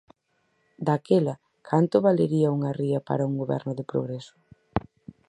Daquela, canto valería unha ría para un goberno de progreso?